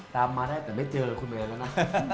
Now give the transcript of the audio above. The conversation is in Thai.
ตามมาได้แต่ไม่เจอคุณแมนแล้วนะ